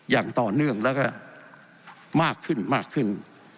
อย่างต่อเนื่องแล้วก็มากขึ้น